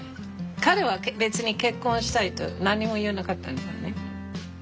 彼は別に結婚したいと何にも言わなかったよね。